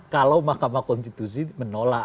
kalau mahkamah konstitusi menolak